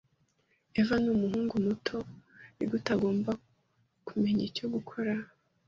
Evan numuhungu muto. Nigute agomba kumenya icyo gukora?